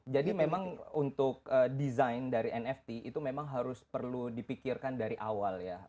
jadi memang untuk desain dari nft itu memang harus perlu dipikirkan dari awal ya